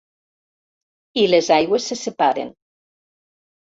I les aigües se separen.